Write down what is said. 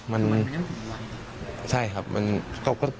มันรู้จักมันคือยังคือมันยังหวังไหว